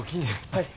はい。